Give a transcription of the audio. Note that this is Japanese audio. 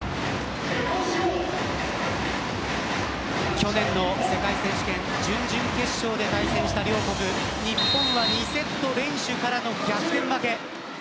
去年の世界選手権準々決勝で対戦した両国日本は２セット連取からの逆転負け。